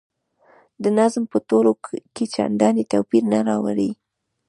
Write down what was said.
د نظم په تول کې چنداني توپیر نه راولي.